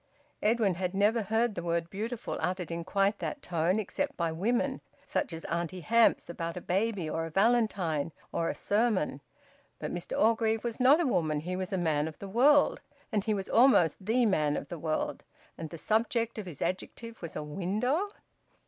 Edwin had never heard the word `beautiful' uttered in quite that tone, except by women, such as Auntie Hamps, about a baby or a valentine or a sermon. But Mr Orgreave was not a woman; he was a man of the world, he was almost the man of the world; and the subject of his adjective was a window!